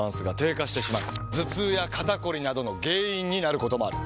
頭痛や肩こりなどの原因になることもある。